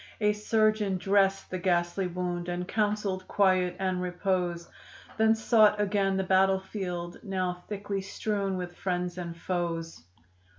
A surgeon dressed the ghastly wound And counseled quiet and repose, Then sought again the battleground, Now thickly strewn with friends and foes.